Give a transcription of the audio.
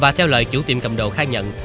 và theo lời chủ tiệm cầm đồ khai nhận